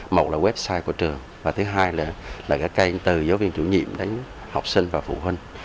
một là website của trường và thứ hai là cái kênh từ giáo viên chủ nhiệm đến học sinh và phụ huynh